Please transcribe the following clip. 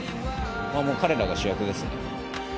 彼らが主役ですね。